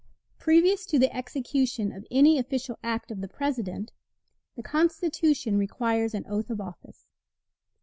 Previous to the execution of any official act of the President the Constitution requires an oath of office.